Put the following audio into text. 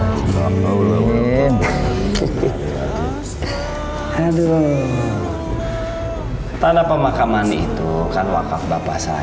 tanah pemakaman itu kan wakaf bapak saya harusnya bapak bapak semua ini bersyukur berterima kasih udah